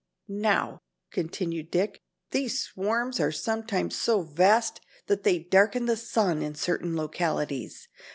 "Now," continued Dick, "these swarms are sometimes so vast that they darken the sun in certain localities.